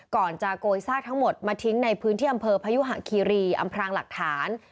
ก่อนจะโกยซากทั้งหมดมาทิ้งในพื้นที่อำเภอพยุหะคีรีอำพรางหลักฐาน